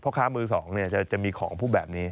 พ่อค้ามือสองเนี่ยจะมีของผู้แบบนี้